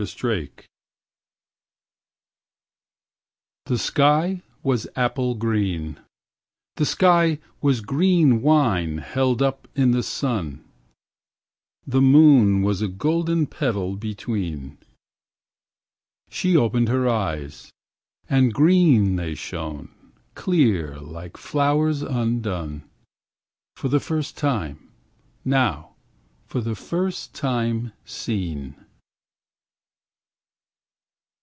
GREEN THE dawn was apple green, The sky was green wine held up in the sun, The moon was a golden petal between. She opened her eyes, and green They shone, clear like flowers undone For the first time, now for the first time seen.